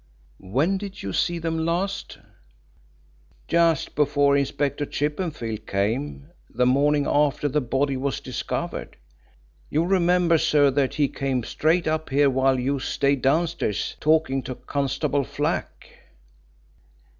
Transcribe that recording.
"When did you see them last?" "Just before Inspector Chippenfield came the morning after the body was discovered. You remember, sir, that he came straight up here while you stayed downstairs talking to Constable Flack."